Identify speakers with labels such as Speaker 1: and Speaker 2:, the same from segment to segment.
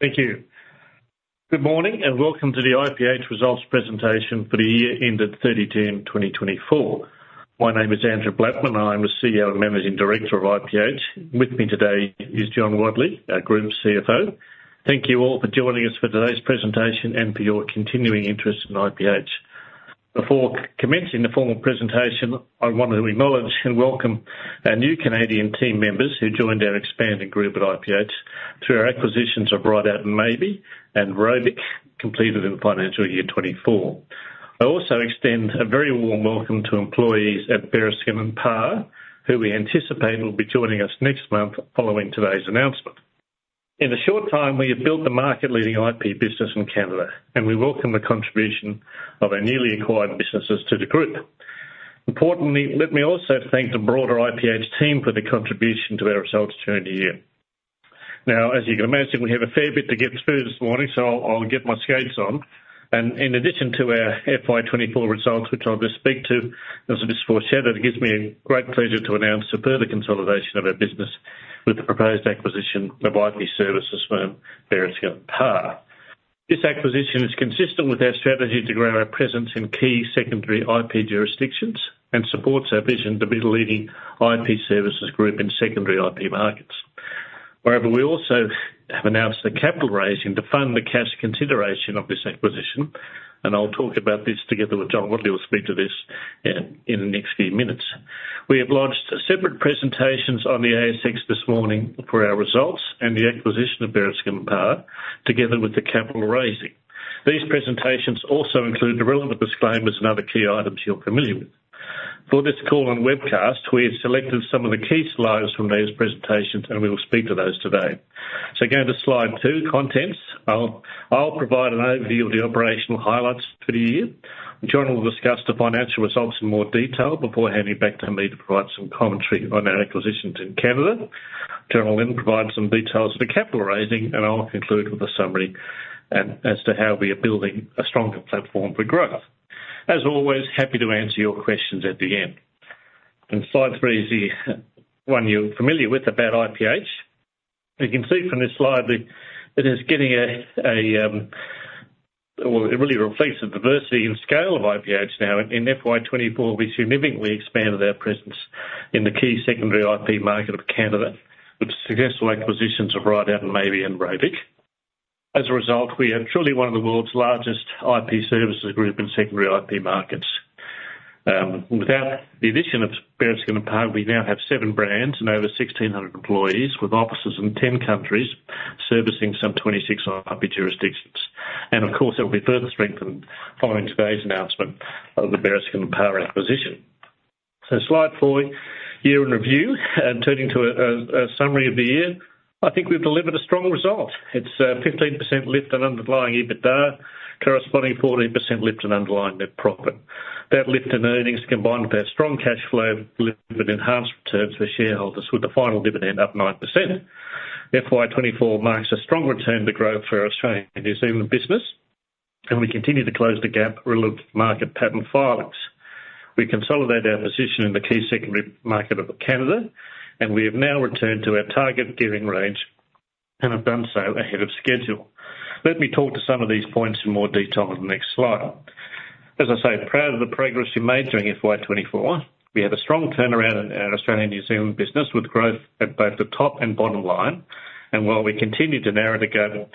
Speaker 1: Thank you. Good morning, and welcome to the IPH results presentation for the year ended 30 June, 2024. My name is Andrew Blattman, and I'm the CEO and Managing Director of IPH. With me today is John Wadley, our Group CFO. Thank you all for joining us for today's presentation and for your continuing interest in IPH. Before commencing the formal presentation, I want to acknowledge and welcome our new Canadian team members who joined our expanding group at IPH through our acquisitions of Ridout & Maybee and ROBIC, completed in the financial year 2024. I also extend a very warm welcome to employees at Bereskin & Parr, who we anticipate will be joining us next month following today's announcement. In a short time, we have built the market-leading IP business in Canada, and we welcome the contribution of our newly acquired businesses to the group. Importantly, let me also thank the broader IPH team for their contribution to our results during the year. Now, as you can imagine, we have a fair bit to get through this morning, so I'll get my skates on, and in addition to our FY 2024 results, which I'll just speak to, as I just foreshadowed, it gives me great pleasure to announce a further consolidation of our business with the proposed acquisition of IP services firm, Bereskin & Parr. This acquisition is consistent with our strategy to grow our presence in key secondary IP jurisdictions and supports our vision to be the leading IP services group in secondary IP markets. Moreover, we also have announced a capital raising to fund the cash consideration of this acquisition, and I'll talk about this together with John Wadley who will speak to this in the next few minutes. We have launched separate presentations on the ASX this morning for our results and the acquisition of Bereskin & Parr, together with the capital raising. These presentations also include the relevant disclaimers and other key items you're familiar with. For this call and webcast, we have selected some of the key slides from these presentations, and we will speak to those today, so going to slide two, Contents. I'll provide an overview of the operational highlights for the year. John will discuss the financial results in more detail before handing it back to me to provide some commentary on our acquisitions in Canada. John will then provide some details for capital raising, and I'll conclude with a summary as to how we are building a stronger platform for growth. As always, happy to answer your questions at the end. And slide three is the one you're familiar with about IPH. You can see from this slide that it is getting. Well, it really reflects the diversity and scale of IPH now. In FY 2024, we significantly expanded our presence in the key secondary IP market of Canada, with successful acquisitions of Ridout & Maybee and ROBIC. As a result, we are truly one of the world's largest IP services group in secondary IP markets. Without the addition of Bereskin & Parr, we now have seven brands and over 1,600 employees, with offices in 10 countries, servicing some 26 IP jurisdictions. And of course, it will be further strengthened following today's announcement of the Bereskin & Parr acquisition. So slide four, Year in Review, and turning to a summary of the year, I think we've delivered a strong result. It's a 15% lift on underlying EBITDA, corresponding 14% lift on underlying net profit. That lift in earnings, combined with our strong cash flow, delivered enhanced returns for shareholders, with the final dividend up 9%. FY 2024 marks a strong return to growth for our Australian and New Zealand business, and we continue to close the gap relevant market patent filings. We consolidate our position in the key secondary market of Canada, and we have now returned to our target gearing range and have done so ahead of schedule. Let me talk to some of these points in more detail on the next slide. As I say, proud of the progress we made during FY 2024. We had a strong turnaround in our Australian and New Zealand business, with growth at both the top and bottom line, and while we continued to narrow the gap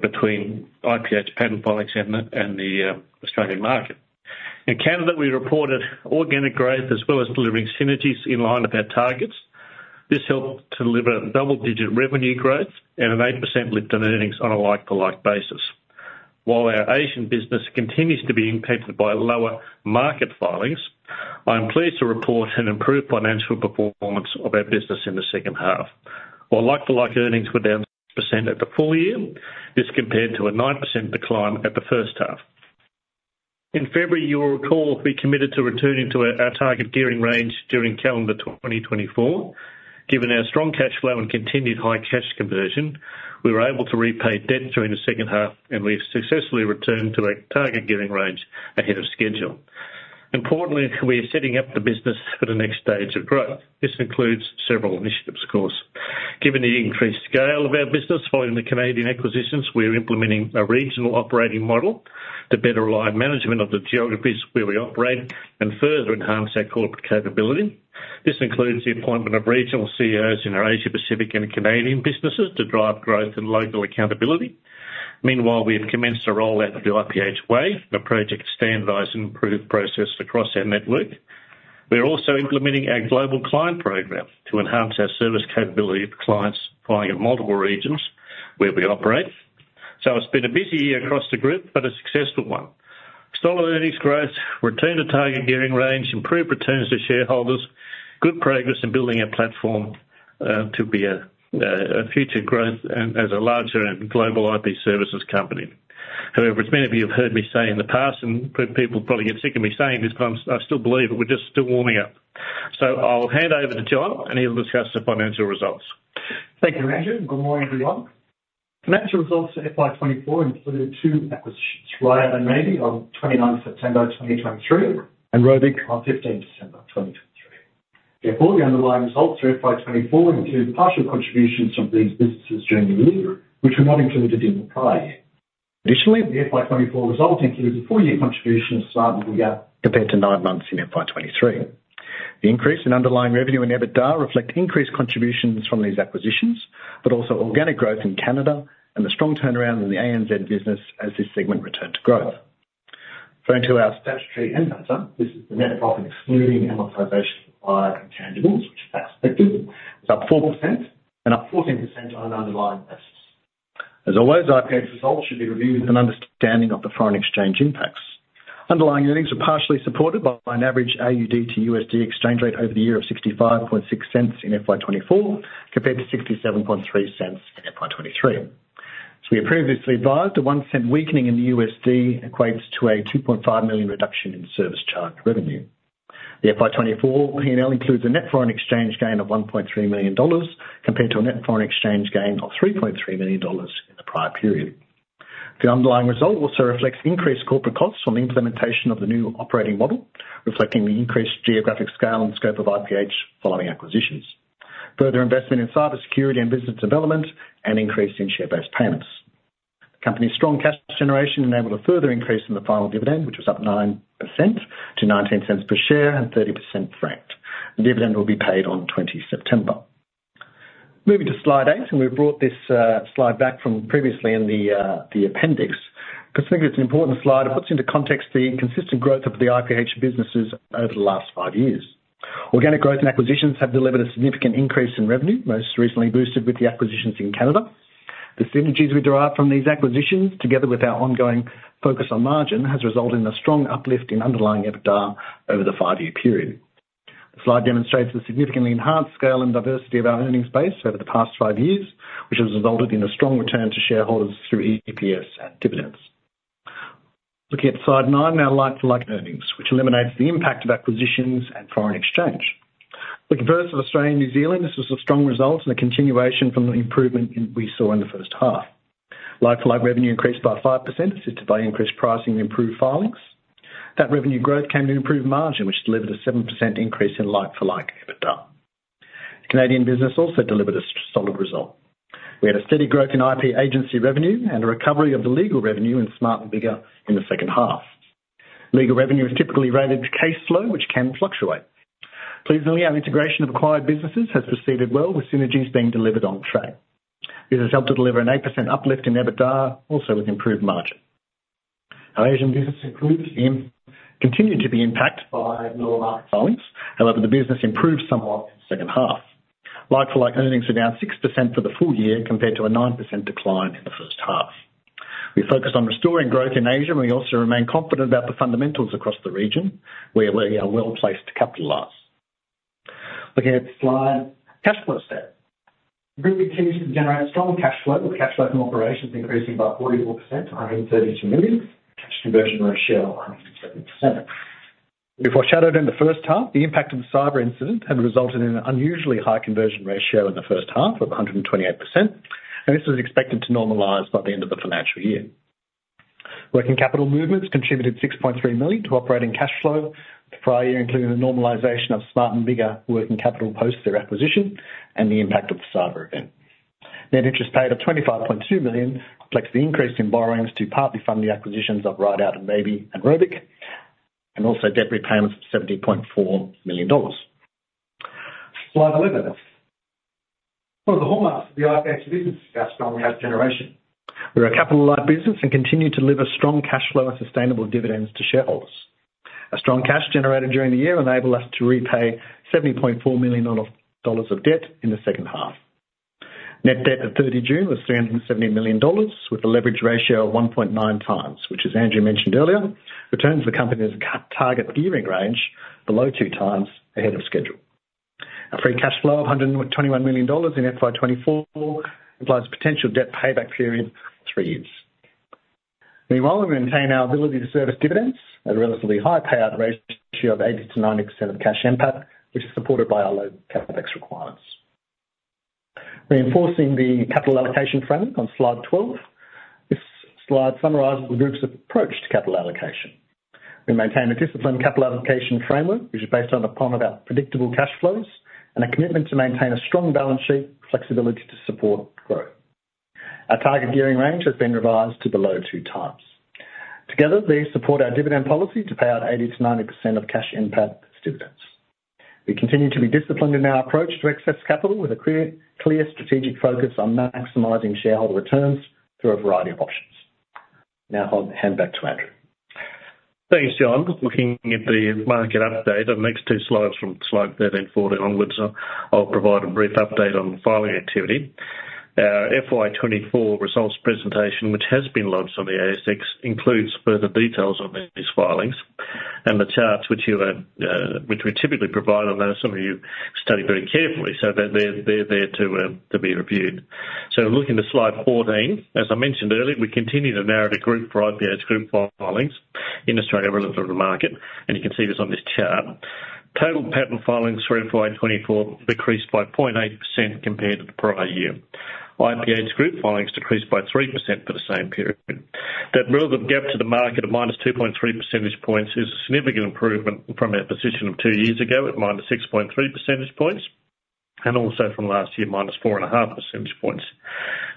Speaker 1: between IPH patent filings and the Australian market. In Canada, we reported organic growth as well as delivering synergies in line with our targets. This helped to deliver a double-digit revenue growth and an 8% lift in earnings on a like-for-like basis. While our Asian business continues to be impacted by lower market filings, I'm pleased to report an improved financial performance of our business in the second half. While like-for-like earnings were down 6% at the full year, this compared to a 9% decline at the first half. In February, you will recall, we committed to returning to our target gearing range during calendar 2024. Given our strong cash flow and continued high cash conversion, we were able to repay debt during the second half, and we've successfully returned to our target gearing range ahead of schedule. Importantly, we are setting up the business for the next stage of growth. This includes several initiatives, of course. Given the increased scale of our business following the Canadian acquisitions, we are implementing a regional operating model to better align management of the geographies where we operate and further enhance our corporate capability. This includes the appointment of regional CEOs in our Asia Pacific and Canadian businesses to drive growth and local accountability. Meanwhile, we have commenced a roll out of the IPH Way, a project to standardize and improve processes across our network. We are also implementing our Global Client Program to enhance our service capability for clients filing in multiple regions where we operate. So it's been a busy year across the group, but a successful one. Solid earnings growth, return to target gearing range, improved returns to shareholders, good progress in building a platform to be a future growth and as a larger and global IP services company. However, as many of you have heard me say in the past, and people probably get sick of me saying this, but I'm I still believe it, we're just still warming up. So I'll hand over to John, and he'll discuss the financial results.
Speaker 2: Thank you, Andrew. Good morning, everyone. Financial results for FY 2024 included two acquisitions, Ridout & Maybee on 29 September 2023, and ROBIC on 15th December 2023. Therefore, the underlying results for FY 2024 include partial contributions from these businesses during the year, which were not included in the prior year. Additionally, the FY 2024 results include a full year contribution of Smart & Biggar compared to nine months in FY 2023. The increase in underlying revenue and EBITDA reflect increased contributions from these acquisitions, but also organic growth in Canada and the strong turnaround in the ANZ business as this segment returned to growth. Turning to our statutory NPATA, this is the net profit excluding amortization of acquired intangibles, which is expected, is up 4% and up 14% on an underlying basis. As always, IPH's results should be reviewed with an understanding of the foreign exchange impacts. Underlying earnings are partially supported by an average AUD to USD exchange rate over the year of 65.6 cents in FY 2024, compared to 67.3 cents in FY 2023. As we previously advised, a 1 cent weakening in the USD equates to a 2.5 million reduction in service charge revenue. The FY 2024 P&L includes a net foreign exchange gain of 1.3 million dollars, compared to a net foreign exchange gain of 3.3 million dollars in the prior period. The underlying result also reflects increased corporate costs from the implementation of the new operating model, reflecting the increased geographic scale and scope of IPH following acquisitions, further investment in cybersecurity and business development, and increase in share-based payments. The company's strong cash generation enabled a further increase in the final dividend, which was up 9% to 0.19 per share and 30% franked. The dividend will be paid on 20 September. Moving to slide 8, and we've brought this slide back from previously in the appendix, because think it's an important slide. It puts into context the consistent growth of the IPH businesses over the last five years. Organic growth and acquisitions have delivered a significant increase in revenue, most recently boosted with the acquisitions in Canada. The synergies we derived from these acquisitions, together with our ongoing focus on margin, has resulted in a strong uplift in underlying EBITDA over the five-year period. The slide demonstrates the significantly enhanced scale and diversity of our earnings base over the past five years, which has resulted in a strong return to shareholders through EPS and dividends. Looking at slide nine, our like-for-like earnings, which eliminates the impact of acquisitions and foreign exchange. Looking first at Australia and New Zealand, this is a strong result and a continuation from the improvement we saw in the first half. Like-for-like revenue increased by 5%, assisted by increased pricing and improved filings. That revenue growth came to improved margin, which delivered a 7% increase in like-for-like EBITDA. The Canadian business also delivered a solid result. We had a steady growth in IP agency revenue and a recovery of the legal revenue in Smart & Biggar in the second half. Legal revenue is typically related to case flow, which can fluctuate. Pleasingly, our integration of acquired businesses has proceeded well, with synergies being delivered on track. This has helped to deliver an 8% uplift in EBITDA, also with improved margin. Our Asian business has continued to be impacted by lower market filings. However, the business improved somewhat in the second half. Like-for-like earnings are down 6% for the full year, compared to a 9% decline in the first half. We focused on restoring growth in Asia, and we also remain confident about the fundamentals across the region, where we are well-placed to capitalize. Looking at the slide, cash flow stat. The group continues to generate strong cash flow, with cash flow from operations increasing by 44% to 93 million, cash conversion ratio of 100%. We foreshadowed in the first half, the impact of the cyber incident had resulted in an unusually high conversion ratio in the first half of 128%, and this is expected to normalize by the end of the financial year. Working capital movements contributed 6.3 million to operating cash flow the prior year, including the normalization of Smart & Biggar working capital post their acquisition and the impact of the cyber event. Net interest paid of 25.2 million reflects the increase in borrowings to partly fund the acquisitions of Ridout & Maybee and ROBIC, and also debt repayments of 70.4 million dollars. Slide 11. One of the hallmarks of the IPH business is our strong cash generation. We're a capital light business and continue to deliver strong cash flow and sustainable dividends to shareholders. A strong cash generated during the year enabled us to repay 70.4 million dollars of debt in the second half. Net debt at 30 June was 370 million dollars, with a leverage ratio of 1.9 times, which, as Andrew mentioned earlier, returns the company's capital target gearing range below two times ahead of schedule. A free cash flow of 121 million dollars in FY 2024 implies potential debt payback period, three years. Meanwhile, we maintain our ability to service dividends at a relatively high payout ratio of 80%-90% of cash NPAT, which is supported by our low CapEx requirements. Reinforcing the capital allocation framework on Slide 12. This slide summarizes the group's approach to capital allocation. We maintain a disciplined capital allocation framework, which is based on the promise of our predictable cash flows and a commitment to maintain a strong balance sheet, flexibility to support growth. Our target gearing range has been revised to below two times. Together, these support our dividend policy to pay out 80%-90% of cash NPAT dividends. We continue to be disciplined in our approach to excess capital, with a clear strategic focus on maximizing shareholder returns through a variety of options. Now, I'll hand back to Andrew.
Speaker 1: Thanks, John. Looking at the market update, the next two slides, from slide thirteen, fourteen onwards, I'll provide a brief update on the filing activity. Our FY 2024 results presentation, which has been launched on the ASX, includes further details on these filings and the charts, which we typically provide on that. Some of you study very carefully, so they're there to be reviewed. So looking to slide fourteen, as I mentioned earlier, we continue to narrow the gap for IPH group filings in Australia relevant to the market, and you can see this on this chart. Total patent filings for FY 2024 decreased by 0.8% compared to the prior year. IPH group filings decreased by 3% for the same period. That relevant gap to the market of minus 2.3 percentage points is a significant improvement from our position of two years ago, at minus 6.3 percentage points, and also from last year, minus 4.5 percentage points.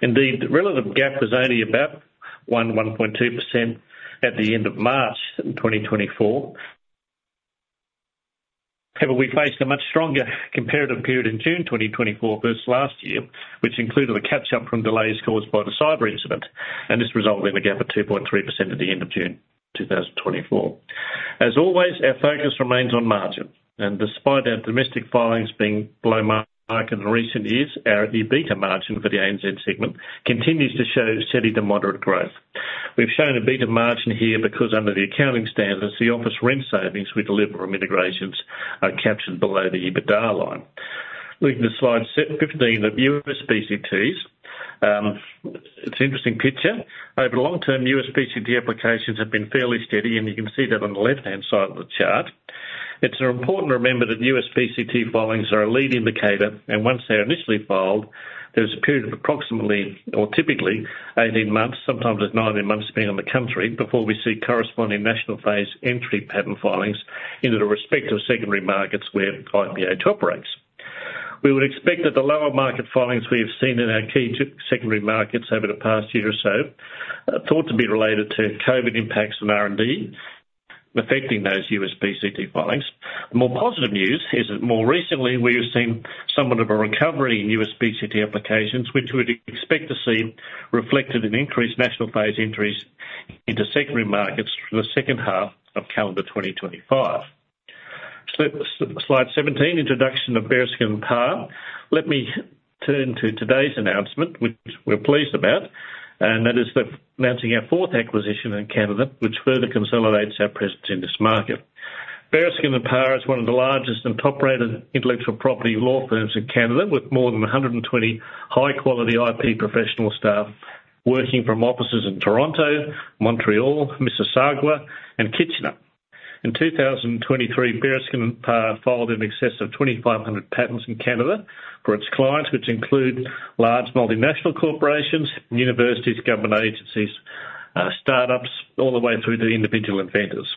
Speaker 1: Indeed, the relevant gap was only about one point two percent at the end of March in 2024. However, we faced a much stronger competitive period in June 2024 versus last year, which included a catch-up from delays caused by the cyber incident, and this resulted in a gap of 2.3 percent at the end of June 2024. As always, our focus remains on margin, and despite our domestic filings being below market in recent years, our EBITDA margin for the ANZ segment continues to show steady to moderate growth. We've shown a better margin here because under the accounting standards, the office rent savings we deliver from integrations are captured below the EBITDA line. Looking to slide 15 of US PCTs, it's an interesting picture. Over the long term, US PCT applications have been fairly steady, and you can see that on the left-hand side of the chart. It's important to remember that US PCT filings are a lead indicator, and once they are initially filed, there is a period of approximately or typically 18 months, sometimes it's 19 months, depending on the country, before we see corresponding national phase entry patent filings into the respective secondary markets where IPH operates. We would expect that the lower market filings we have seen in our key two secondary markets over the past year or so are thought to be related to COVID impacts on R&D, affecting those US PCT filings. The more positive news is that more recently, we have seen somewhat of a recovery in US PCT applications, which we'd expect to see reflected in increased national phase entries into secondary markets through the second half of calendar 2025. Slide 17, introduction of Bereskin & Parr. Let me turn to today's announcement, which we're pleased about, and that is announcing our fourth acquisition in Canada, which further consolidates our presence in this market. Bereskin & Parr is one of the largest and top-rated intellectual property law firms in Canada, with more than 120 high-quality IP professional staff working from offices in Toronto, Montreal, Mississauga, and Kitchener. In 2023, Bereskin & Parr filed in excess of 2,500 patents in Canada for its clients, which include large multinational corporations, universities, government agencies, startups, all the way through to individual inventors.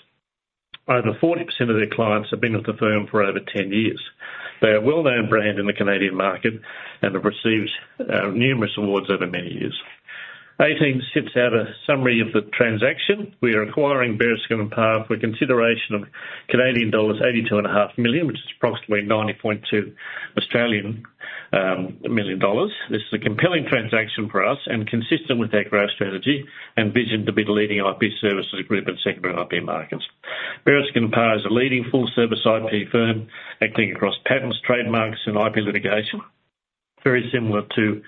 Speaker 1: Over 40% of their clients have been with the firm for over 10 years. They are a well-known brand in the Canadian market and have received numerous awards over many years. Eighteen sets out a summary of the transaction. We are acquiring Bereskin & Parr for a consideration of Canadian dollars 82.5 million, which is approximately 90.2 million dollars. This is a compelling transaction for us and consistent with our growth strategy and vision to be the leading IP services group in secondary IP markets. Bereskin & Parr is a leading full-service IP firm acting across patents, trademarks, and IP litigation, very similar to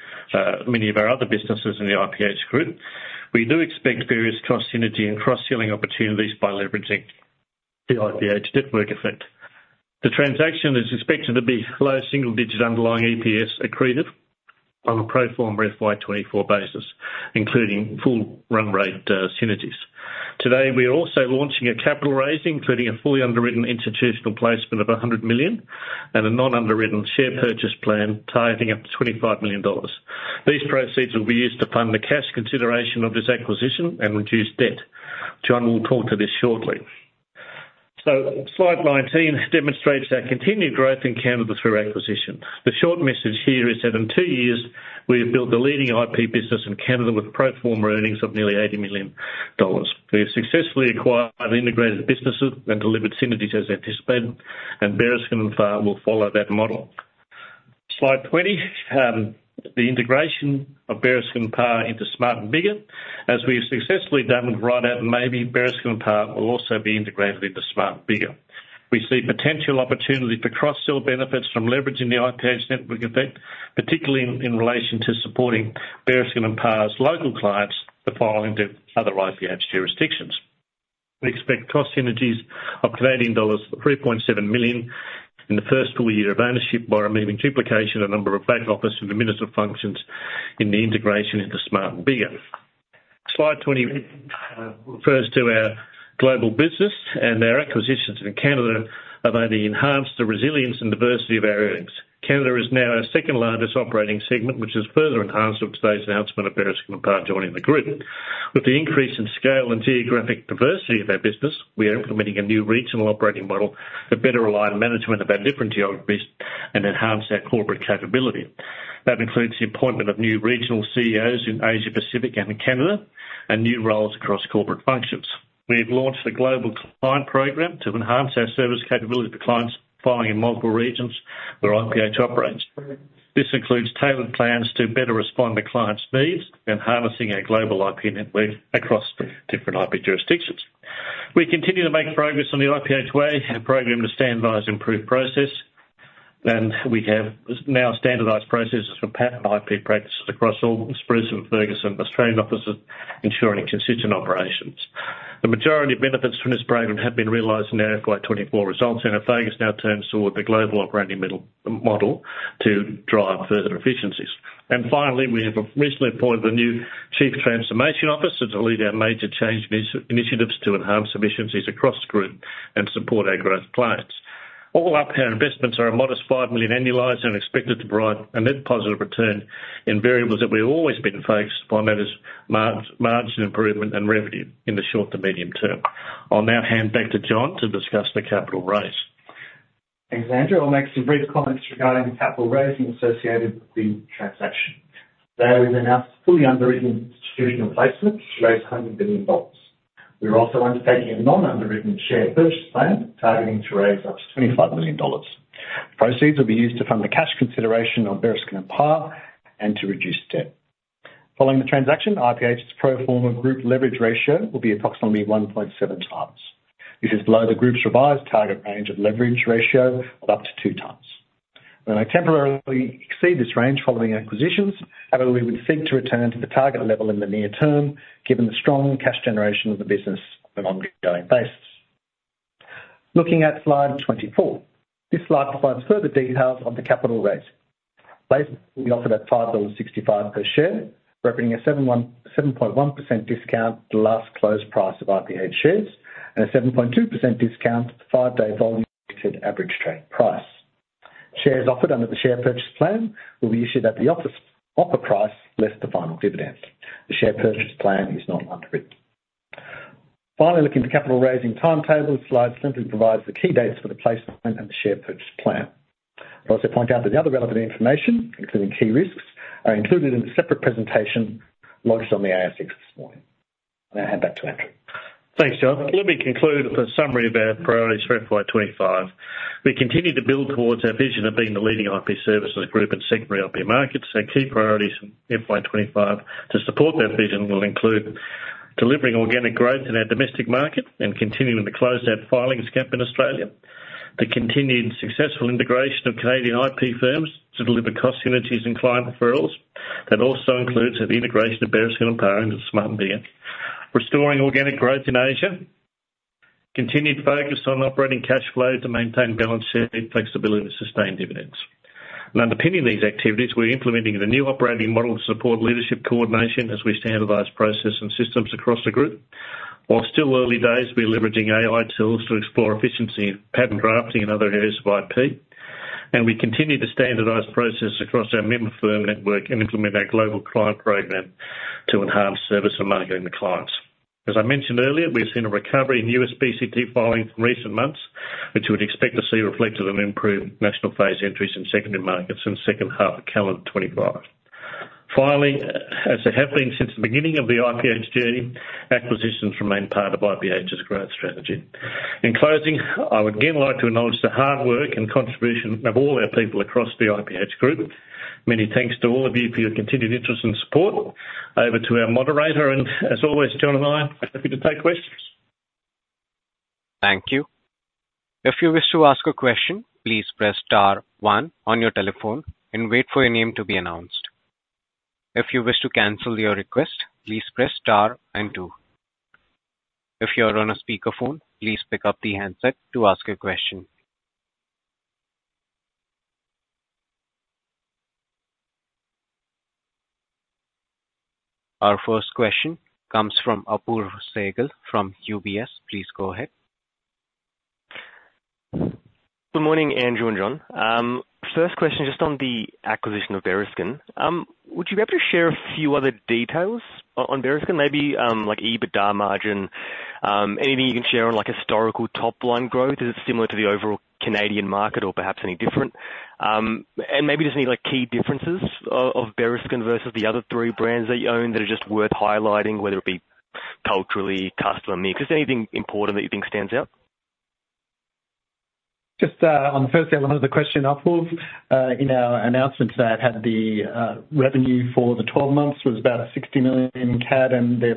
Speaker 1: many of our other businesses in the IPH group. We do expect various cross-synergy and cross-selling opportunities by leveraging the IPH network effect. The transaction is expected to be low single digit underlying EPS accretive on a pro forma FY 2024 basis, including full run rate synergies. Today, we are also launching a capital raising, including a fully underwritten institutional placement of 100 million, and a non-underwritten share purchase plan, targeting up to 25 million dollars. These proceeds will be used to fund the cash consideration of this acquisition and reduce debt. John will talk to this shortly. Slide 19 demonstrates our continued growth in Canada through acquisition. The short message here is that in two years, we have built the leading IP business in Canada with pro forma earnings of nearly 80 million dollars. We have successfully acquired integrated businesses and delivered synergies as anticipated, and Bereskin & Parr will follow that model. Slide 20, the integration of Bereskin & Parr into Smart & Biggar, as we have successfully done with Ridout & Maybee, Bereskin & Parr will also be integrated into Smart & Biggar. We see potential opportunity for cross-sell benefits from leveraging the IPH network effect, particularly in relation to supporting Bereskin & Parr's local clients to file into other IPH jurisdictions. We expect cost synergies of Canadian dollars 3.7 million in the first full year of ownership by removing duplication and number of back office and administrative functions in the integration into Smart & Biggar. Slide 20 refers to our global business, and our acquisitions in Canada have only enhanced the resilience and diversity of our earnings. Canada is now our second largest operating segment, which is further enhanced with today's announcement of Bereskin & Parr joining the group. With the increase in scale and geographic diversity of our business, we are implementing a new regional operating model to better align management of our different geographies and enhance our corporate capability. That includes the appointment of new regional CEOs in Asia Pacific, and in Canada, and new roles across corporate functions. We have launched a Global Client Program to enhance our service capability for clients filing in multiple regions where IPH operates. This includes tailored plans to better respond to clients' needs and harnessing our global IP network across different IP jurisdictions. We continue to make progress on the IPH Way, a program to standardize improved process, and we have now standardized processes for patent IP practices across all Spruson & Ferguson Australian offices, ensuring consistent operations. The majority of benefits from this program have been realized in our FY 2024 results, and our focus now turns toward the global operating model to drive further efficiencies. And finally, we have recently appointed a new Chief Transformation Officer to lead our major change business initiatives to enhance efficiencies across the group and support our growth clients. All upfront investments are a modest 5 million annualized and expected to provide a net positive return in variables that we've always been focused on, that is margin improvement and revenue in the short to medium term. I'll now hand back to John to discuss the capital raise.
Speaker 2: Thanks, Andrew. I'll make some brief comments regarding the capital raising associated with the transaction. There is announced a fully underwritten institutional placement to raise 100 million dollars. We are also undertaking a non-underwritten share purchase plan, targeting to raise up to 25 million dollars. Proceeds will be used to fund the cash consideration on Bereskin & Parr, and to reduce debt. Following the transaction, IPH's pro forma group leverage ratio will be approximately 1.7 times. This is below the group's revised target range of leverage ratio of up to 2 times. When I temporarily exceed this range following acquisitions, however, we would seek to return to the target level in the near term, given the strong cash generation of the business on an ongoing basis. Looking at slide 24. This slide provides further details on the capital raise. Placement will be offered at 5.65 dollars per share, representing a 7.1% discount to the last closed price of IPH shares, and a 7.2% discount to the five-day volume weighted average trade price. Shares offered under the share purchase plan will be issued at the offer price, less the final dividend. The share purchase plan is not underwritten. Finally, looking at the capital raising timetable, this slide simply provides the key dates for the placement and the share purchase plan. I'll also point out that the other relevant information, including key risks, are included in a separate presentation lodged on the ASX this morning. I'm going to hand back to Andrew.
Speaker 1: Thanks, John. Let me conclude with a summary of our priorities for FY 2025. We continue to build towards our vision of being the leading IP services group in secondary IP markets. Our key priorities in FY 2025 to support that vision will include: delivering organic growth in our domestic market and continuing to close our filings gap in Australia. The continued successful integration of Canadian IP firms to deliver cost synergies and client referrals. That also includes the integration of Bereskin & Parr into Smart & Biggar. Restoring organic growth in Asia. Continued focus on operating cash flow to maintain balance sheet flexibility to sustain dividends. And underpinning these activities, we're implementing the new operating model to support leadership coordination as we standardize processes and systems across the group. While still early days, we're leveraging AI tools to explore efficiency in patent drafting and other areas of IP, and we continue to standardize processes across our member firm network and implement our Global Client Program to enhance service and marketing to clients. As I mentioned earlier, we've seen a recovery in the US PCT filing in recent months, which we'd expect to see reflected in improved national phase entries in secondary markets in the second half of calendar 2025. Finally, as it has been since the beginning of the IPH journey, acquisitions remain part of IPH's growth strategy. In closing, I would again like to acknowledge the hard work and contribution of all our people across the IPH group. Many thanks to all of you for your continued interest and support. Over to our moderator, and as always, John and I are happy to take questions.
Speaker 3: Thank you. If you wish to ask a question, please press star one on your telephone and wait for your name to be announced. If you wish to cancel your request, please press star and two. If you are on a speakerphone, please pick up the handset to ask a question. Our first question comes from Apoorv Sehgal from UBS. Please go ahead.
Speaker 4: Good morning, Andrew and John. First question, just on the acquisition of Bereskin. Would you be able to share a few other details on Bereskin? Maybe, like EBITDA margin, anything you can share on, like, historical top-line growth? Is it similar to the overall Canadian market or perhaps any different? And maybe just any, like, key differences of Bereskin versus the other three brands that you own that are just worth highlighting, whether it be culturally, customer need. Just anything important that you think stands out?
Speaker 2: Just, on the first element of the question, Apoorv, in our announcement that had the, revenue for the 12 months was about 60 million CAD, and their,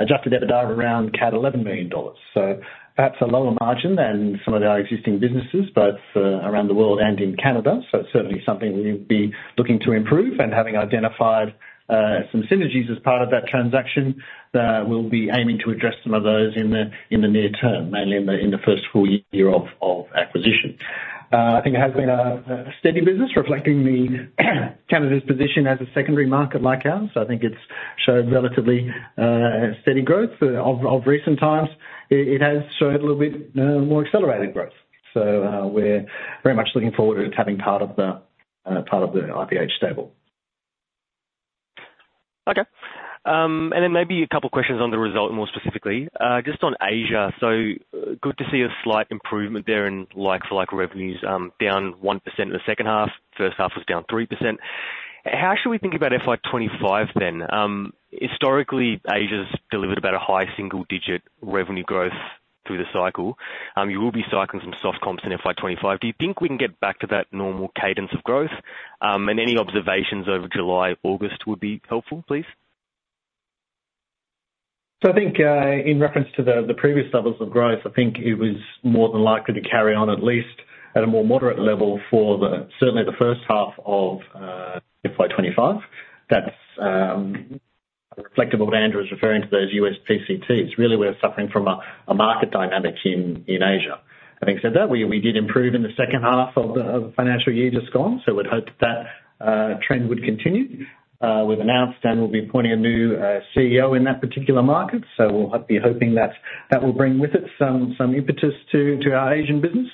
Speaker 2: adjusted EBITDA of around 11 million dollars. So that's a lower margin than some of our existing businesses, both, around the world and in Canada, so it's certainly something we'll be looking to improve. And having identified, some synergies as part of that transaction, we'll be aiming to address some of those in the near term, mainly in the first full year of acquisition. I think it has been a steady business, reflecting the, Canada's position as a secondary market like ours. So I think it's showed relatively, steady growth. Of recent times, it has showed a little bit, more accelerated growth. We're very much looking forward to it having part of the IPH stable.
Speaker 4: Okay. And then maybe a couple questions on the result, more specifically. Just on Asia, so good to see a slight improvement there in like-for-like revenues, down 1% in the second half. First half was down 3%. How should we think about FY 2025 then? Historically, Asia's delivered about a high single-digit revenue growth through the cycle. You will be cycling some soft comps in FY 2025. Do you think we can get back to that normal cadence of growth? And any observations over July, August would be helpful, please.
Speaker 2: So I think, in reference to the previous levels of growth, I think it was more than likely to carry on, at least at a more moderate level for certainly the first half of FY 2025. That's reflective of Andrew's referring to those US PCTs. Really, we're suffering from a market dynamic in Asia. Having said that, we did improve in the second half of the financial year just gone, so we'd hope that trend would continue. We've announced and we'll be appointing a new CEO in that particular market, so we'll be hoping that that will bring with it some impetus to our Asian business.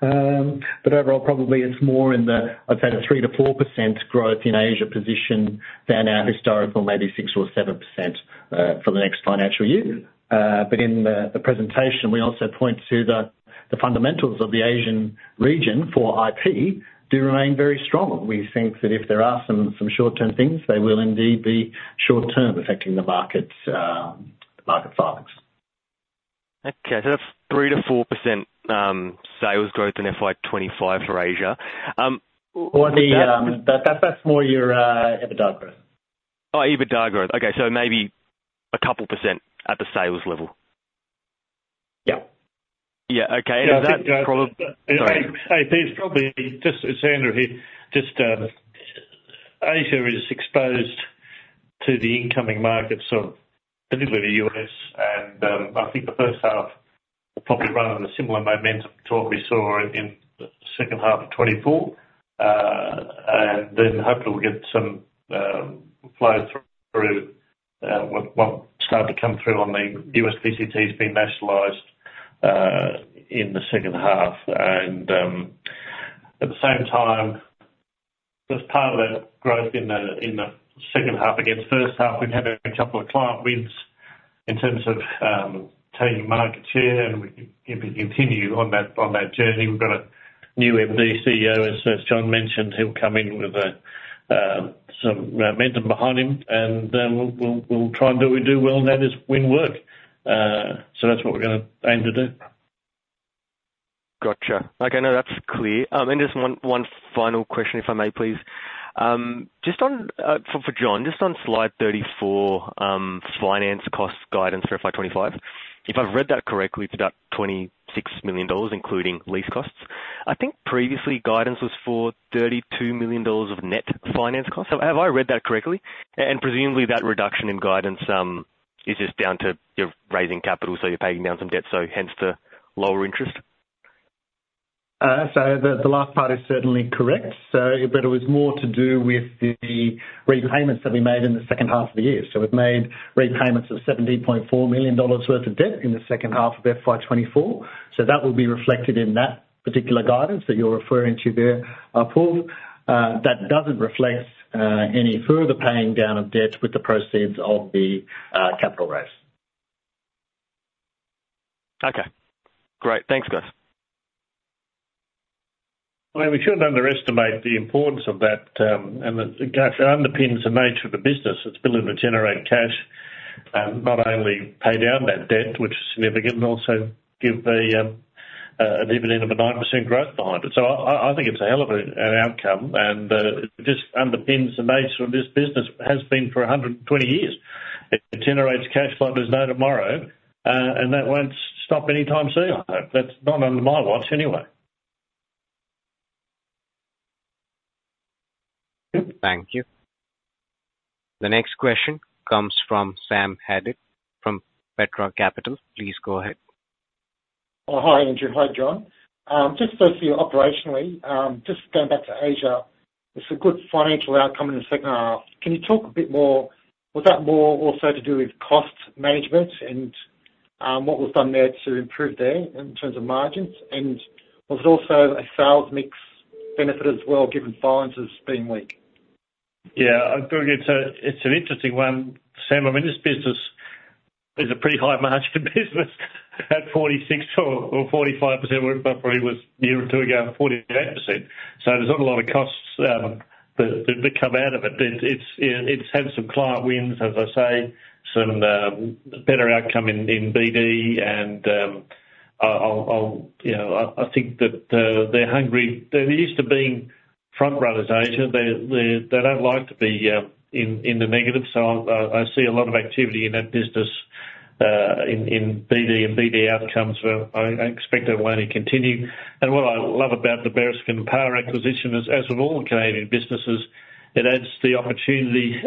Speaker 2: But overall, probably it's more in the, I'd say, the 3-4% growth in Asia position than our historical, maybe 6 or 7%, for the next financial year. But in the presentation, we also point to the fundamentals of the Asian region for IP do remain very strong. We think that if there are some short-term things, they will indeed be short-term affecting the market filings.
Speaker 4: Okay, so that's 3-4% sales growth in FY 2025 for Asia.
Speaker 2: Well, that's more your EBITDA growth.
Speaker 4: Oh, EBITDA growth. Okay. So maybe a couple % at the sales level?
Speaker 2: Yeah.
Speaker 4: Yeah. Okay. And is that probably-
Speaker 1: Hey, it's Andrew here. Asia is exposed to the incoming markets of, particularly the US, and I think the first half will probably run on a similar momentum to what we saw in the second half of 2024. And then hopefully we'll get some flow through what started to come through on the US PCTs being nationalized in the second half. At the same time, as part of that growth in the second half against first half, we've had a couple of client wins in terms of taking market share, and if we continue on that journey, we've got a new MD CEO, as John mentioned, he'll come in with some momentum behind him, and we'll try and do what we do well, and that is win work. That's what we're gonna aim to do.
Speaker 4: Gotcha. Okay, no, that's clear. And just one final question, if I may, please. Just on for John, just on slide thirty-four, finance cost guidance for FY 2025. If I've read that correctly, it's about 26 million dollars, including lease costs. I think previously guidance was for 32 million dollars of net finance costs. So have I read that correctly? And presumably that reduction in guidance is just down to you're raising capital, so you're paying down some debt, so hence the lower interest?
Speaker 2: So the last part is certainly correct, so but it was more to do with the repayments that we made in the second half of the year. So we've made repayments of 70.4 million dollars worth of debt in the second half of FY 2024, so that will be reflected in that particular guidance that you're referring to there, Paul. That doesn't reflect any further paying down of debt with the proceeds of the capital raise.
Speaker 4: Okay. Great. Thanks, guys.
Speaker 1: We shouldn't underestimate the importance of that. It actually underpins the nature of the business. It's built to generate cash, not only pay down that debt, which is significant, but also give an EBITDA of a 9% growth behind it. I think it's a hell of an outcome, and it just underpins the nature of this business, has been for 120 years. It generates cash flow there's no tomorrow, and that won't stop anytime soon. I hope. That's not under my watch anyway.
Speaker 3: Thank you. The next question comes from Sam Haddad from Petra Capital. Please go ahead.
Speaker 5: Oh, hi, Andrew. Hi, John. Just firstly, operationally, just going back to Asia, it's a good financial outcome in the second half. Can you talk a bit more? Was that more also to do with cost management and what was done there to improve there in terms of margins? And was it also a sales mix benefit as well, given filings has been weak?
Speaker 1: Yeah, I think it's an interesting one, Sam. I mean, this business is a pretty high margin business, at 46% or 45%, where it probably was a year or two ago, 48%. So there's not a lot of costs that come out of it. It's had some client wins, as I say, some better outcome in BD, and I'll. You know, I think that they're hungry. They're used to being front runners, Asia. They don't like to be in the negative. So I see a lot of activity in that business in BD and BD outcomes where I expect that will only continue. And what I love about the Bereskin & Parr acquisition is, as with all Canadian businesses, it adds the opportunity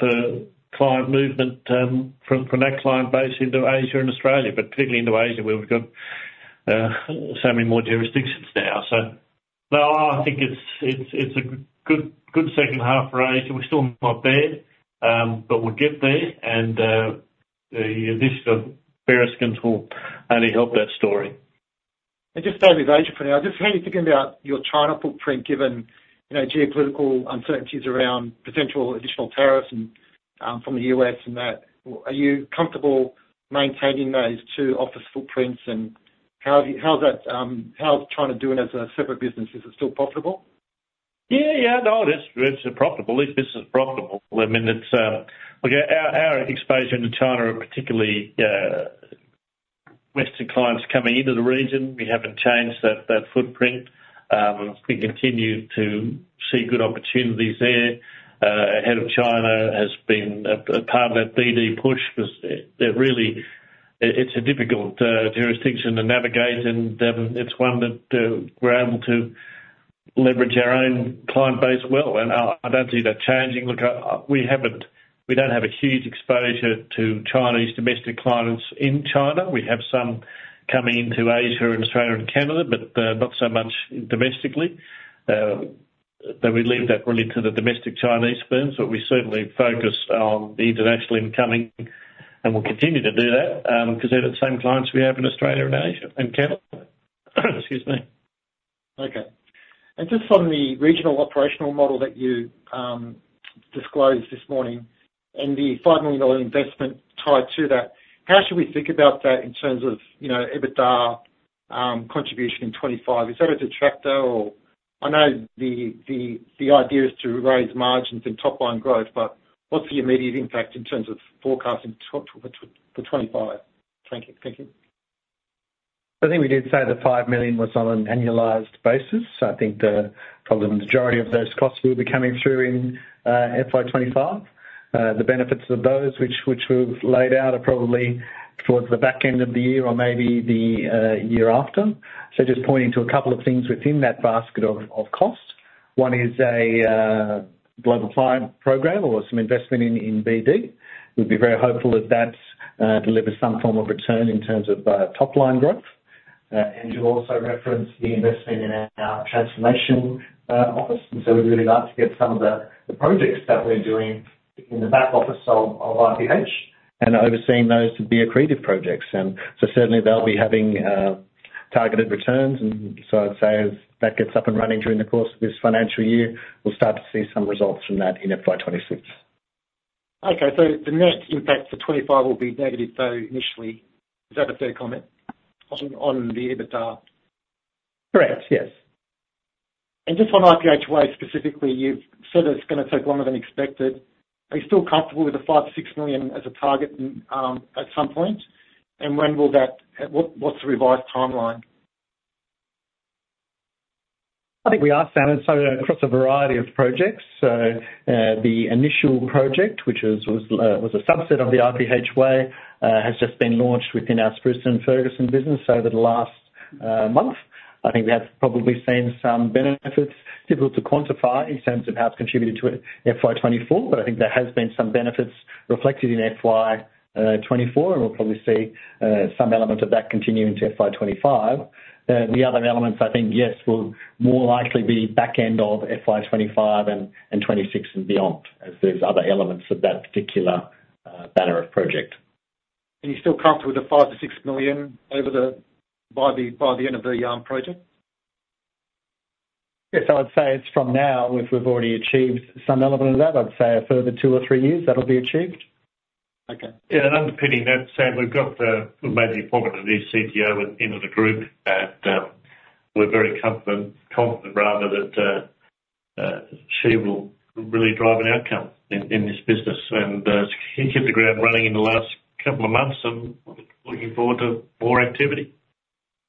Speaker 1: for client movement from that client base into Asia and Australia, but particularly into Asia, where we've got so many more jurisdictions now. So, no, I think it's a good second half for Asia. We're still not there, but we'll get there. And the addition of Bereskin will only help that story.
Speaker 5: Just staying with Asia for now, I'm just, how are you thinking about your China footprint, given, you know, geopolitical uncertainties around potential additional tariffs and from the U.S. and that? Are you comfortable maintaining those two office footprints? And how's that, how's China doing as a separate business? Is it still profitable?
Speaker 1: Yeah, yeah. No, it's, it's profitable. This business is profitable. I mean, it's. Look, our, our exposure into China, and particularly, western clients coming into the region, we haven't changed that, that footprint. We continue to see good opportunities there. Ahead of China has been a part of that BD push, because it really, it's a difficult jurisdiction to navigate, and, it's one that, we're able to leverage our own client base well, and I, I don't see that changing. Look, we don't have a huge exposure to Chinese domestic clients in China. We have some coming into Asia and Australia and Canada, but, not so much domestically. So we leave that really to the domestic Chinese firms, but we certainly focus on the international incoming, and we'll continue to do that, 'cause they're the same clients we have in Australia and Asia, and Canada. Excuse me.
Speaker 5: Okay. And just on the regional operational model that you disclosed this morning and the 5 million investment tied to that, how should we think about that in terms of, you know, EBITDA contribution in 2025? Is that a detractor or... I know the idea is to raise margins and top line growth, but what's the immediate impact in terms of forecasting that for 2025? Thank you. Thank you.
Speaker 2: I think we did say the five million was on an annualized basis. So I think probably the majority of those costs will be coming through in FY 2025. The benefits of those which we've laid out are probably towards the back end of the year or maybe the year after. So just pointing to a couple of things within that basket of costs. One is a Global Client Program or some investment in BD. We'd be very hopeful that that delivers some form of return in terms of top line growth. And you also referenced the investment in our transformation office, and so we'd really like to get some of the projects that we're doing in the back office of IPH and overseeing those to be accretive projects. And so certainly they'll be having targeted returns. And so I'd say as that gets up and running during the course of this financial year, we'll start to see some results from that in FY 2026.
Speaker 5: Okay. So the net impact for 2025 will be negative, though, initially. Is that a fair comment on the EBITDA?
Speaker 2: Correct, yes.
Speaker 5: And just on IPH Way specifically, you've said that it's gonna take longer than expected. Are you still comfortable with the 5-6 million as a target at some point? And when will that... what's the revised timeline?
Speaker 2: I think we are, Sam. So across a variety of projects, so, the initial project, which was a subset of the IPH Way, has just been launched within our Spruson & Ferguson business over the last month. I think we have probably seen some benefits. Difficult to quantify in terms of how it's contributed to FY 2024, but I think there has been some benefits reflected in FY 2024, and we'll probably see some element of that continue into FY 2025. The other elements, I think, yes, will more likely be back end of FY 2025 and 2026 and beyond, as there's other elements of that particular banner of project.
Speaker 5: You're still comfortable with the five to six million over the, by the end of the project?
Speaker 2: Yes, I would say it's from now. We've, we've already achieved some element of that. I'd say a further two or three years, that'll be achieved.
Speaker 5: Okay.
Speaker 1: Yeah, and underpinning that, Sam, we've got, we've made the appointment of the CTO into the group, and, we're very confident, confident rather that she will really drive an outcome in this business. And she hit the ground running in the last couple of months. I'm looking forward to more activity.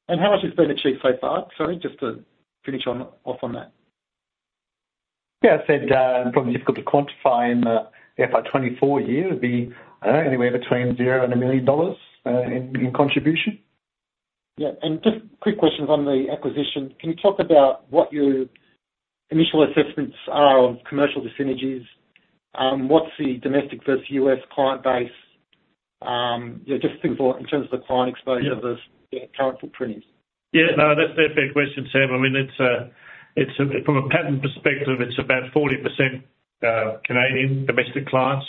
Speaker 5: And how much has been achieved so far? Sorry, just to finish off on that.
Speaker 2: Yeah, I said, probably difficult to quantify in the FY 2024 year. It'd be, anywhere between 0 and 1 million dollars in contribution.
Speaker 5: Yeah. And just quick questions on the acquisition. Can you talk about what your initial assessments are of commercial dyssynergies? What's the domestic versus U.S. client base? You know, just think for in terms of the client exposure versus the current footprint.
Speaker 1: Yeah, no, that's a fair question, Sam. I mean, it's a from a patent perspective, it's about 40% Canadian domestic clients,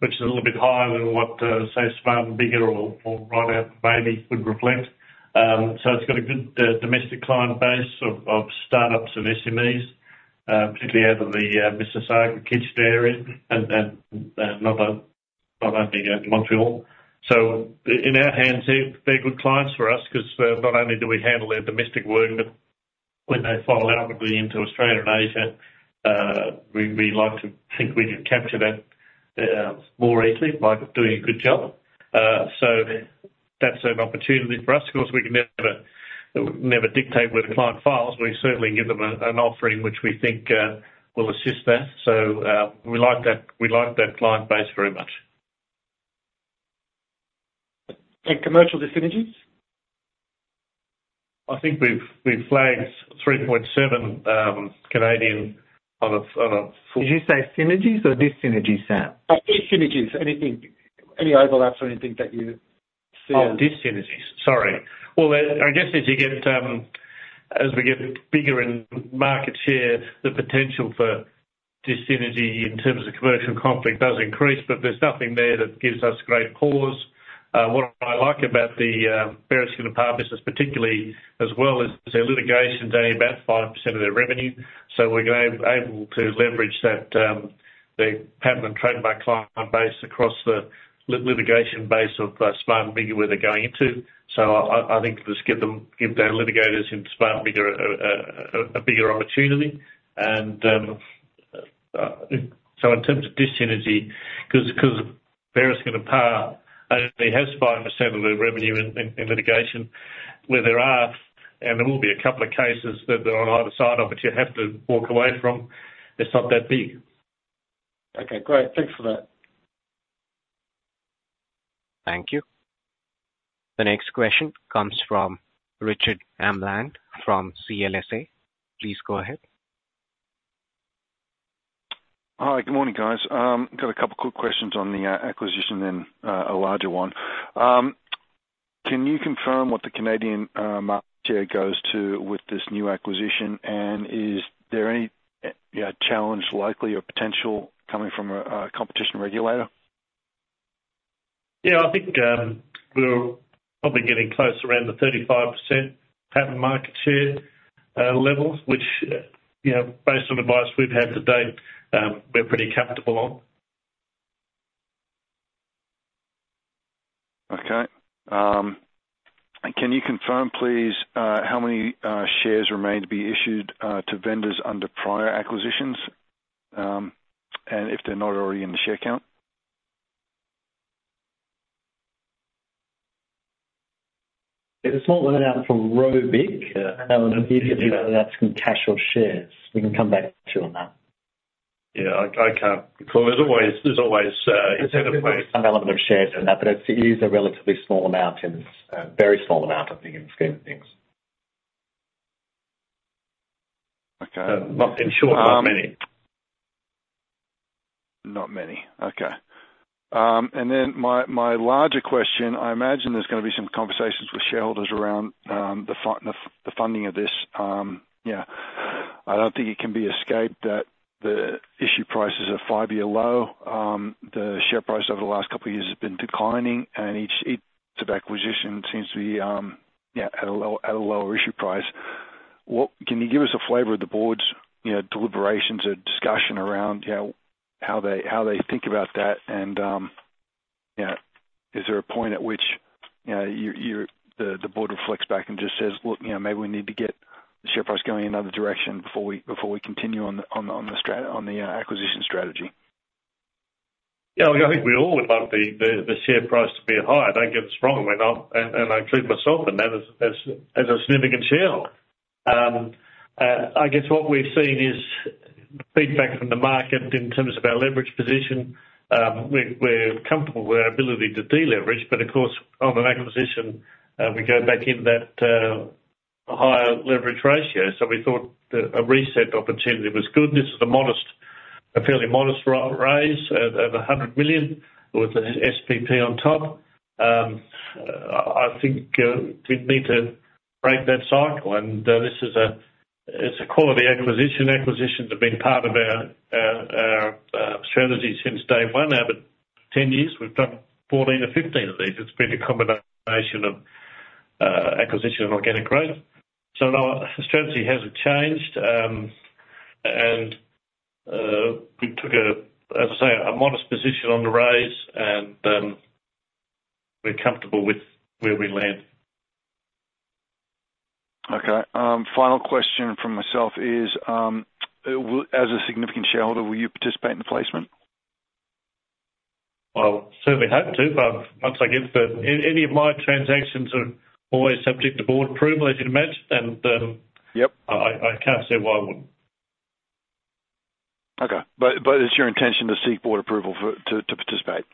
Speaker 1: which is a little bit higher than what say, Smart & Biggar or Ridout & Maybee would reflect. So it's got a good domestic client base of startups and SMEs, particularly out of the Mississauga, Kitchener area and not only Montreal. So in our hands, they're good clients for us 'cause not only do we handle their domestic work, but when they file outwardly into Australia and Asia, we like to think we can capture that more easily by doing a good job. So that's an opportunity for us. Of course, we can never dictate where the client files. We certainly give them an offering which we think will assist that. So, we like that client base very much.
Speaker 5: And commercial dyssynergies?
Speaker 1: I think we've flagged 3.7 Canadian on a-
Speaker 2: Did you say synergies or dyssynergies, Sam?
Speaker 5: Synergies. Anything, any overlaps or anything that you see as-
Speaker 1: Oh, dyssynergies. Sorry. Well, I guess as we get bigger in market share, the potential for dyssynergy in terms of commercial conflict does increase, but there's nothing there that gives us great pause. What I like about the Bereskin & Parr business, particularly, as well as their litigation, only about 5% of their revenue. So we're able to leverage that, the patent and trademark client base across the litigation base of Smart & Biggar, where they're going into. So I think just give their litigators in Smart & Biggar a bigger opportunity. In terms of dyssynergies, 'cause Bereskin & Parr only has 5% of their revenue in litigation, where there are, and there will be a couple of cases that they're on either side of, but you have to walk away from, it's not that big.
Speaker 5: Okay, great. Thanks for that.
Speaker 3: Thank you. The next question comes from Richard Amland from CLSA. Please go ahead.
Speaker 6: Hi, good morning, guys. Got a couple quick questions on the acquisition, then a larger one. Can you confirm what the Canadian market share goes to with this new acquisition? And is there any challenge likely or potential coming from a competition regulator?
Speaker 1: Yeah, I think, we're probably getting close to around the 35% patent market share levels, which, you know, based on advice we've had to date, we're pretty comfortable on.
Speaker 6: Okay. Can you confirm, please, how many shares remain to be issued to vendors under prior acquisitions, and if they're not already in the share count?
Speaker 2: There's a small amount from ROBIC,
Speaker 1: Yeah.
Speaker 2: And then that's from cash or shares. We can come back to you on that.
Speaker 1: Yeah, I can't. Because there's always,
Speaker 2: Element of shares in that, but it is a relatively small amount and it's a very small amount, I think, in the scheme of things.
Speaker 6: Okay.
Speaker 1: But in short, not many.
Speaker 6: Not many. Okay. And then my larger question: I imagine there's gonna be some conversations with shareholders around the funding of this. Yeah, I don't think it can be escaped that the issue price is a five-year low. The share price over the last couple of years has been declining, and each acquisition seems to be, yeah, at a lower issue price. What can you give us a flavor of the board's, you know, deliberations or discussion around, you know, how they think about that? You know, is there a point at which, you know, you, the board reflects back and just says: "Look, you know, maybe we need to get the share price going in another direction before we continue on the acquisition strategy?
Speaker 1: Yeah, I think we all would love the share price to be higher. Don't get us wrong, we're not and I include myself in that as a significant shareholder. I guess what we've seen is feedback from the market in terms of our leverage position. We're comfortable with our ability to de-leverage, but of course, on an acquisition, we go back in that higher leverage ratio. So we thought that a reset opportunity was good. This is a modest, fairly modest raise of 100 million with an SPP on top. I think we need to break that cycle, and this is a quality acquisition. Acquisitions have been part of our strategy since day one. Over 10 years, we've done 14 or 15 of these. It's been a combination of acquisition and organic growth. So no, our strategy hasn't changed. And we took a, as I say, a modest position on the raise, and we're comfortable with where we land.
Speaker 6: Okay. Final question from myself is, as a significant shareholder, will you participate in the placement?
Speaker 1: I certainly hope to, but once I get the... Any of my transactions are always subject to board approval, as you'd imagine, and,
Speaker 6: Yep
Speaker 1: I can't say why I wouldn't.
Speaker 6: Okay, but it's your intention to seek board approval to participate?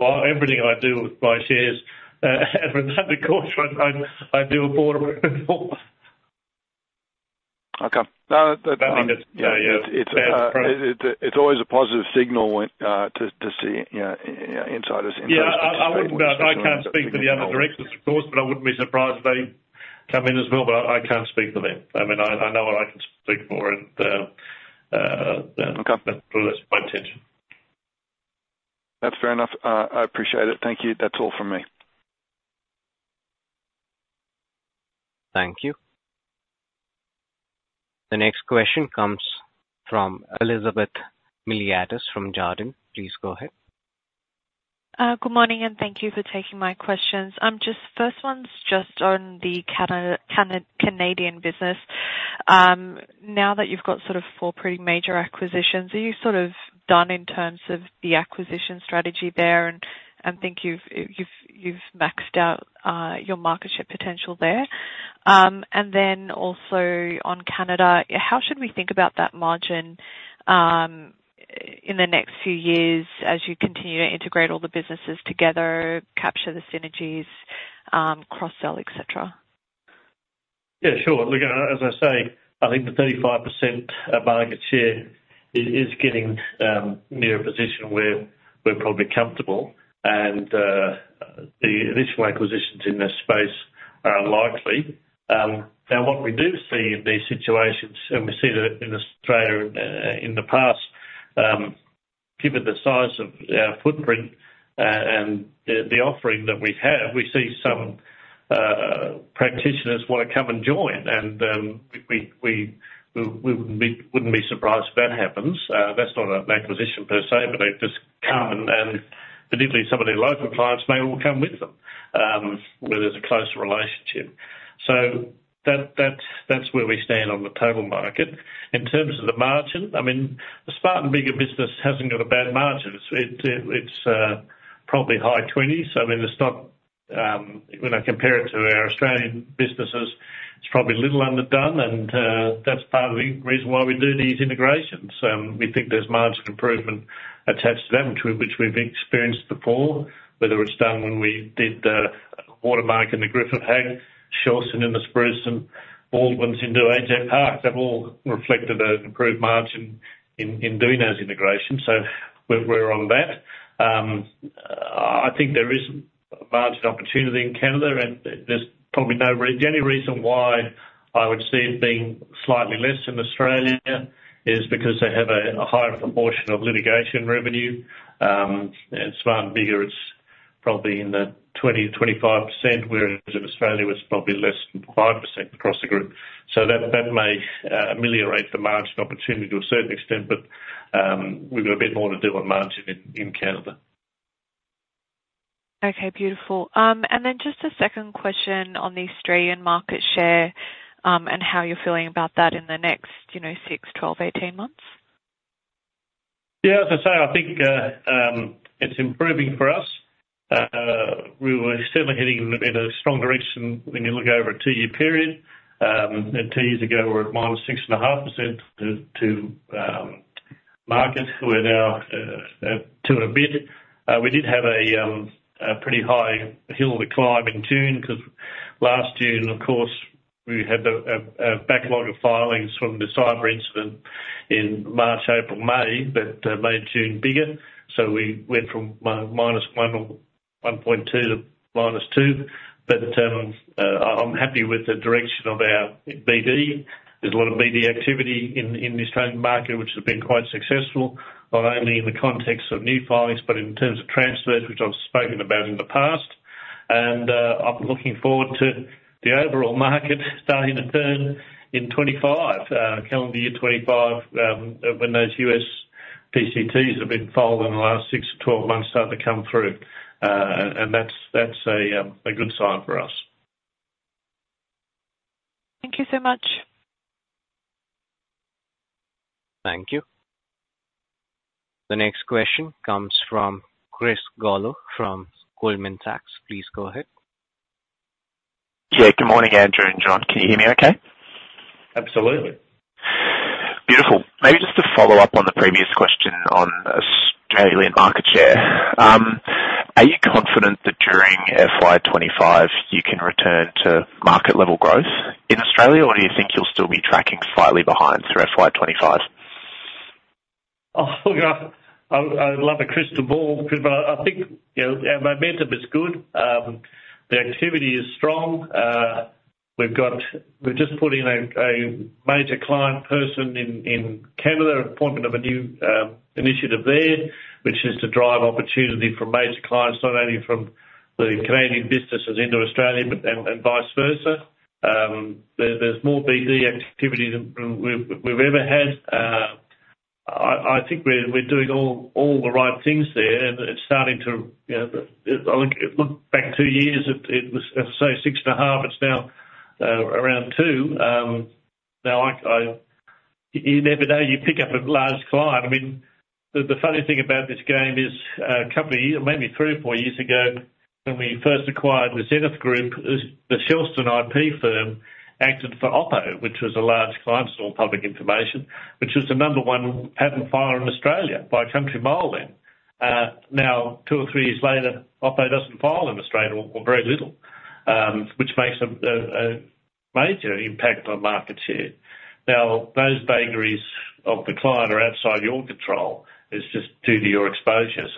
Speaker 1: Everything I do with my shares, of course, I do a board report.
Speaker 6: Okay. No, that,
Speaker 1: I think that, yeah.
Speaker 6: It's always a positive signal when to see, you know, insiders-
Speaker 1: Yeah. I can't speak for the other directors, of course, but I wouldn't be surprised if they come in as well. But I can't speak for them. I mean, I know what I can speak for, and
Speaker 6: Okay
Speaker 1: Well, that's my intention.
Speaker 6: That's fair enough. I appreciate it. Thank you. That's all from me.
Speaker 3: Thank you. The next question comes from Elizabeth Miliatis from Jarden. Please go ahead.
Speaker 7: Good morning, and thank you for taking my questions. Just first one's just on the Canadian business. Now that you've got sort of four pretty major acquisitions, are you sort of done in terms of the acquisition strategy there, and think you've maxed out your market share potential there? And then also on Canada, how should we think about that margin in the next few years as you continue to integrate all the businesses together, capture the synergies, cross-sell, et cetera?
Speaker 1: Yeah, sure. Look, as I say, I think the 35% market share is getting near a position where we're probably comfortable, and the additional acquisitions in this space are unlikely. Now, what we do see in these situations, and we see that in Australia in the past, given the size of our footprint and the offering that we have, we see some practitioners wanna come and join, and we wouldn't be surprised if that happens. That's not an acquisition per se, but they just come, and particularly some of their local clients, they all come with them where there's a closer relationship. So that's where we stand on the total market. In terms of the margin, I mean, the Smart & Biggar business hasn't got a bad margin. It's probably high twenties, so I mean, it's not, when I compare it to our Australian businesses, it's probably a little underdone, and that's part of the reason why we do these integrations. We think there's margin improvement attached to that, which we've experienced before, whether it's done when we did Watermark into Griffith Hack, Shelston into Spruson, and Baldwins into AJ Park. They've all reflected an improved margin in doing those integrations, so we're on that. I think there is a margin opportunity in Canada, and there's probably the only reason why I would see it being slightly less in Australia is because they have a higher proportion of litigation revenue, and Smart & Biggar, it's probably in the 20%-25%, whereas in Australia it's probably less than 5% across the group. So that may ameliorate the margin opportunity to a certain extent, but we've got a bit more to do on margin in Canada.
Speaker 6: Okay, beautiful, and then just a second question on the Australian market share, and how you're feeling about that in the next, you know, 6, 12, 18 months?
Speaker 7: Yeah, as I say, I think it's improving for us. We were certainly heading in a stronger direction when you look over a two-year period, and two years ago, we were at minus 6.5% to market. We're now two and a bit. We did have a pretty high hill to climb in June, 'cause last June, of course, we had a backlog of filings from the cyber incident in March, April, May, but made June bigger, so we went from minus one or 1.2% to minus 2%. I'm happy with the direction of our BD. There's a lot of BD activity in the Australian market, which has been quite successful, not only in the context of new filings, but in terms of transfers, which I've spoken about in the past. And I'm looking forward to the overall market starting to turn in 2025, calendar year 2025, when those US PCTs have been filed in the last six to 12 months start to come through. And that's a good sign for us. Thank you so much.
Speaker 3: Thank you. The next question comes from Chris Gallo from Goldman Sachs. Please go ahead. Yeah, good morning, Andrew and John. Can you hear me okay?
Speaker 1: Absolutely. Beautiful. Maybe just to follow up on the previous question on Australian market share, are you confident that during FY 2025, you can return to market level growth in Australia? Or do you think you'll still be tracking slightly behind through FY 2025? Oh, look, I would love a crystal ball, but I think, you know, our momentum is good. The activity is strong. We've just put in a major client person in Canada, appointment of a new initiative there, which is to drive opportunity from major clients, not only from the Canadian businesses into Australia, but and vice versa. There's more BD activity than we've ever had. I think we're doing all the right things there, and it's starting to, you know. I look back two years, it was, let's say, six and a half. It's now around two. Now, you never know, you pick up a large client. I mean, the funny thing about this game is, a couple of years, maybe three or four years ago, when we first acquired the Xenith Group, is the Shelston IP firm acted for Oppo, which was a large client, still public information, which was the number one patent filer in Australia by a country mile then. Now, two or three years later, Oppo doesn't file in Australia or very little, which makes a major impact on market share. Now, those vagaries of the client are outside your control. It's just due to your exposure.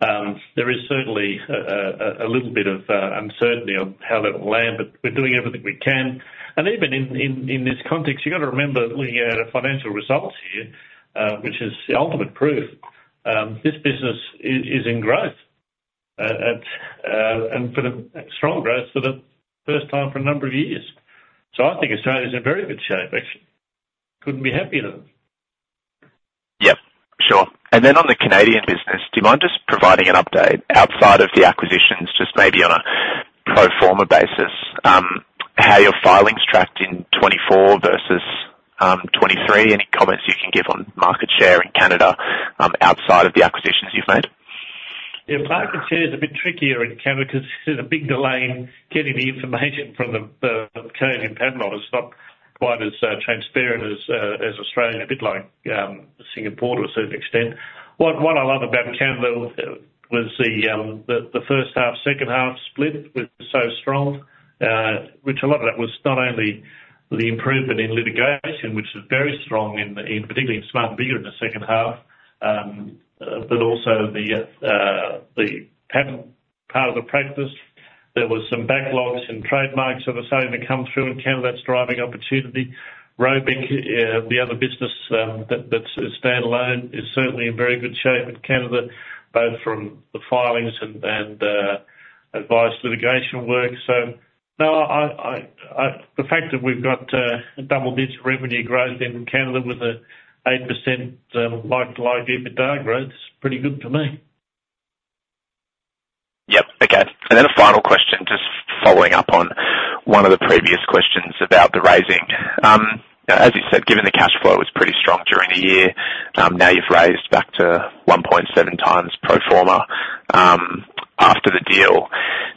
Speaker 1: There is certainly a little bit of uncertainty on how that will land, but we're doing everything we can. And even in this context, you've got to remember, looking at our financial results here, which is the ultimate proof, this business is in growth, and for the strong growth for the first time for a number of years. So I think Australia is in very good shape, actually. Couldn't be happier though. Yep, sure, and then on the Canadian business, do you mind just providing an update outside of the acquisitions, just maybe on a pro forma basis, how your filings tracked in 2024 versus 2023? Any comments you can give on market share in Canada, outside of the acquisitions you've made? Yeah, market share is a bit trickier in Canada because there's a big delay in getting the information from the Canadian Patent Office. It's not quite as transparent as Australia, a bit like Singapore to a certain extent. What I love about Canada was the first half, second half split was so strong, which a lot of that was not only the improvement in litigation, which is very strong in particularly in Smart & Biggar in the second half, but also the patent part of the practice. There was some backlogs in trademarks that are starting to come through in Canada's driving opportunity. ROBIC, the other business, that's standalone is certainly in very good shape in Canada, both from the filings and advice litigation work. So no, I... The fact that we've got double-digit revenue growth in Canada with an 8% like-for-like EBITDA growth is pretty good to me. Yep. Okay. And then a final question, just following up on one of the previous questions about the raising. As you said, given the cash flow was pretty strong during the year, now you've raised back to one point seven times pro forma, after the deal.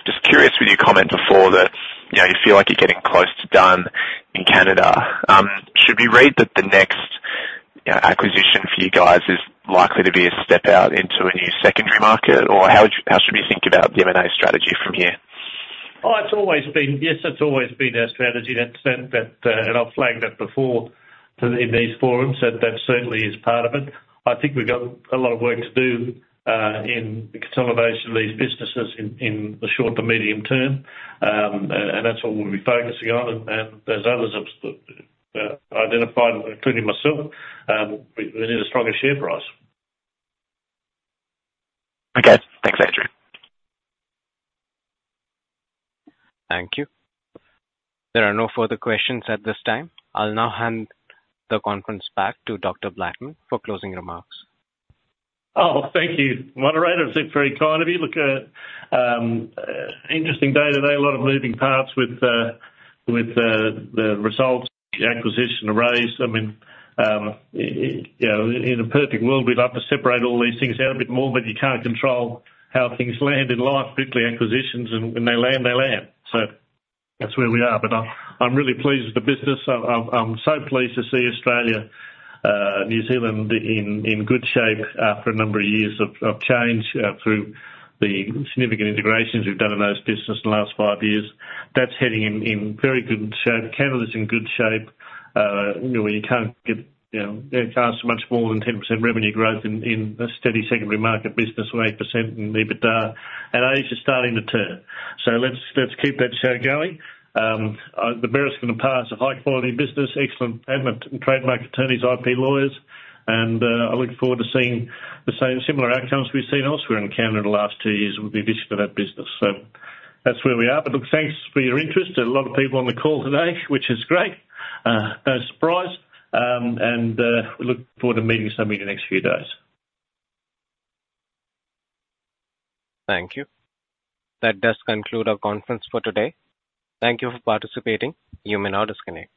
Speaker 1: Just curious with your comment before that, you know, you feel like you're getting close to done in Canada. Should we read that the next acquisition for you guys is likely to be a step out into a new secondary market, or how should we think about the M&A strategy from here? Oh, it's always been. Yes, it's always been our strategy in that sense, but and I've flagged that before to, in these forums, that that certainly is part of it. I think we've got a lot of work to do in the consolidation of these businesses in the short to medium term. And that's what we'll be focusing on. And there's others that have identified, including myself, we need a stronger share price. Okay. Thanks, Andrew.
Speaker 3: Thank you. There are no further questions at this time. I'll now hand the conference back to Dr. Blattman for closing remarks.
Speaker 1: Oh, thank you, moderator. It's very kind of you. Look, interesting day today, a lot of moving parts with the results, the acquisition, the raise. I mean, you know, in a perfect world, we'd love to separate all these things out a bit more, but you can't control how things land in life, particularly acquisitions, and when they land, they land. So that's where we are. But I'm really pleased with the business. I'm so pleased to see Australia, New Zealand in good shape, for a number of years of change, through the significant integrations we've done in those business in the last five years. That's heading in very good shape. Canada's in good shape. You know, you can't get, you know, they can't ask for much more than 10% revenue growth in a steady secondary market business, or 8% in EBITDA, and Asia is starting to turn. So let's keep that show going. Bereskin & Parr. A high-quality business, excellent patent and trademark attorneys, IP lawyers, and I look forward to seeing the same similar outcomes we've seen elsewhere in Canada in the last two years. We will be visiting that business. So that's where we are. But look, thanks for your interest. There are a lot of people on the call today, which is great, no surprise, and we look forward to meeting some of you in the next few days.
Speaker 3: Thank you. That does conclude our conference for today. Thank you for participating. You may now disconnect.